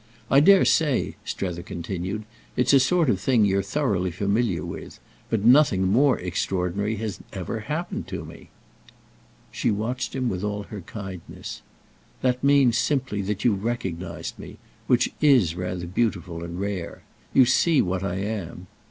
I dare say," Strether continued, "it's a sort of thing you're thoroughly familiar with; but nothing more extraordinary has ever happened to me." She watched him with all her kindness. "That means simply that you've recognised me—which is rather beautiful and rare. You see what I am."